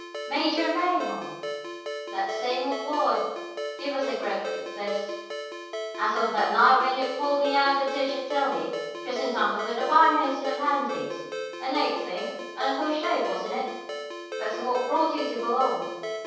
"Major Mahon!" "That same, old boy. Give us a grip of your fist, as on that night when you pulled me out of the ditch at Delhi, just in time to clear the bayonets of the pandys. A nate thing, and a close shave, wasn't it? But's what brought you to Boulogne?"